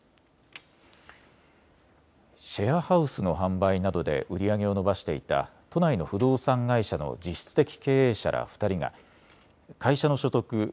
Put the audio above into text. シェアハウスの販売などで売り上げを伸ばしていた都内の不動産会社の実質的経営者ら２人が会社の所得